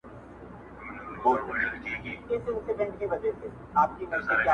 هره ورځ څو سطله اوبه اچوې,